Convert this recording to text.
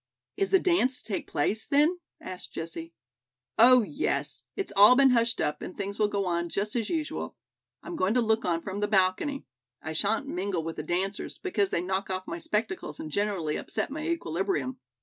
"Is the dance to take place, then?" asked Jessie. "Oh, yes. It's all been hushed up and things will go on just as usual. I'm going to look on from the balcony. I shan't mingle with the dancers, because they knock off my spectacles and generally upset my equilibrium."